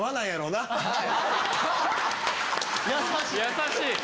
優しい！